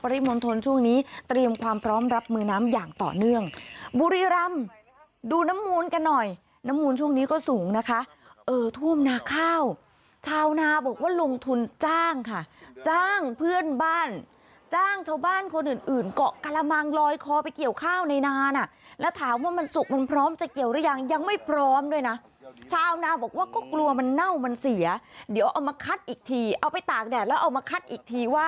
ดูน้ำมูลกันหน่อยน้ำมูลช่วงนี้ก็สูงนะคะเออทุ่มนาข้าวชาวนาบอกว่าลงทุนจ้างค่ะจ้างเพื่อนบ้านจ้างชาวบ้านคนอื่นเกาะกะละมางลอยคอไปเกี่ยวข้าวในนานอ่ะแล้วถามว่ามันสุกมันพร้อมจะเกี่ยวหรือยังยังไม่พร้อมด้วยนะชาวนาบอกว่าก็กลัวมันเน่ามันเสียเดี๋ยวเอามาคัดอีกทีเอาไปตากแดดแล้ว